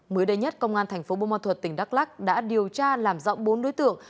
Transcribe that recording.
mới đây nhất công an tp bunma thuật tỉnh đắk lắc đã điều tra làm rộng bốn đối tượng